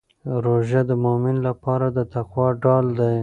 روژه د مؤمن لپاره د تقوا ډال دی.